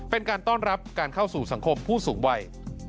เป็นการต้อนรับการเข้าสู่สังคมผู้สูงวัย